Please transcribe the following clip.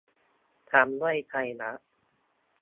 ทำด้วยใจรัก